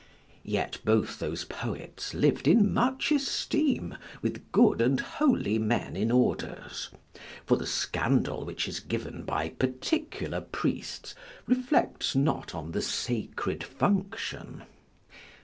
Yet both those poets liv'd in much esteem with good and holy men in orders; for the scandal which is given by particular priests reflects not on the sacred function.